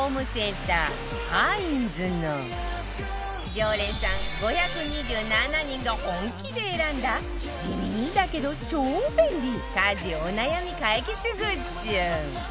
常連さん５２７人が本気で選んだ地味だけど超便利家事お悩み解決グッズ